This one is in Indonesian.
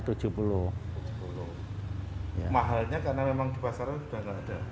mahalnya karena memang di pasar sudah ada